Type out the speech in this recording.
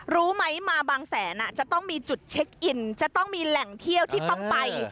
รู้ไหมมาบางแสนจะต้องมีจุดเช็คอินจะต้องมีแหล่งเที่ยวที่ต้องไป